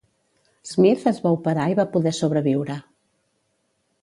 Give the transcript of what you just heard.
Smith es va operar i va poder sobreviure.